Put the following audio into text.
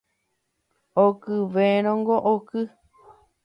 Okyvérõngo oky